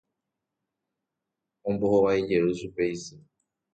Ombohovaijey chupe isy.